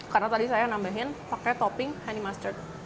karena tadi saya nambahin pakai topping honey mustard